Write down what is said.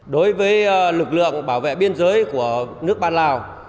đối với lực lượng bảo vệ biên giới của nước bạn lào